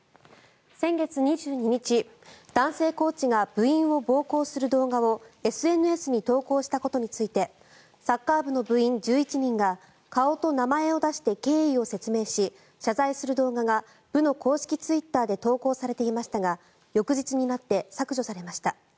先月２２日、男性コーチが部員を暴行する動画をＳＮＳに投稿したことについてサッカー部の部員１１人が顔と名前を出して経緯を説明し謝罪する動画が部の公式ツイッターで投稿されていましたが翌日になって削除されました。